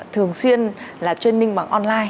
thường xuyên là training bằng online